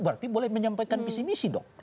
berarti boleh menyampaikan visi misi dong